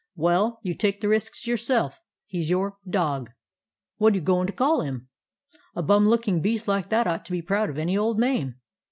"Well, you take the risks yourself. He 's your — dog. What you goin' to call him? A bum looking beast like that ought to be proud of any old name."